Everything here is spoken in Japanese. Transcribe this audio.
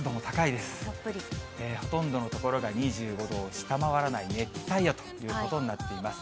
ほとんどの所が２５度を下回らない熱帯夜ということになっています。